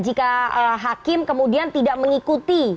jika hakim kemudian tidak mengikuti